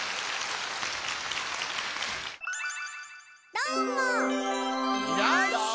どーも！